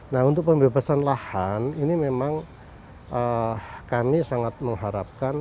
nah untuk pembebasan lahan ini memang kami sangat mengharapkan